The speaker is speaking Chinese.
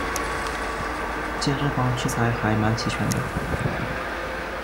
健身房器材还蛮齐全的